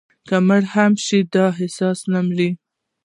که مړي هم شي، دا احساس نه مري»